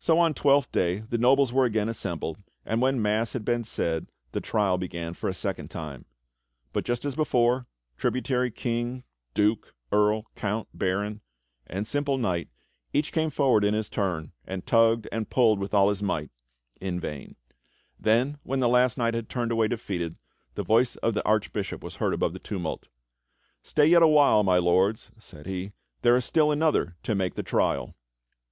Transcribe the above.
So on Twelfth Day the nobles were again assembled, and when mass had been said the trial began for a second time. But just as before, tributary king, duke, earl, count, baron and simple knight each came forward in his turn and tugged and pulled with all his might HOW ARTHUR WON HIS KINGDOM 23 — in vain. Then, when the last knight had turned away defeated, the voice of the Archbishop was heard above the tumult; "Stay yet a while, my Lords," said he, "there is still another to make the trial."